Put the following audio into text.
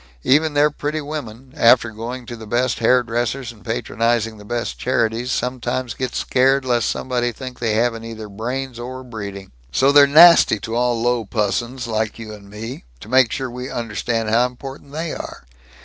Even their pretty women, after going to the best hair dressers and patronizing the best charities, sometimes get scared lest somebody think they haven't either brains or breeding. "So they're nasty to all low pussons like you and me, to make sure we understand how important they are.